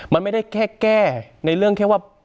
มันไม่ได้แค่แก้ในเรื่องแค่ว่า